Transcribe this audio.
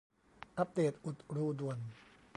อัปเดตอุดรูด่วน